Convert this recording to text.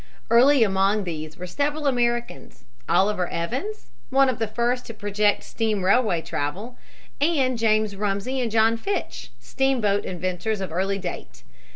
Early among these were several Americans, Oliver Evans, one of the first to project steam railway travel, and James Rumsey and John Fitch, steamboat inventors of early date.